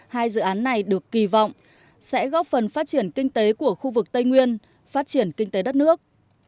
hai dự án này được kỳ vọng sẽ góp phần phát triển kinh tế của khu vực tây nguyên phát triển kinh tế đất nước